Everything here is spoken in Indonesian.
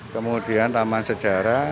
kemudian taman sejarah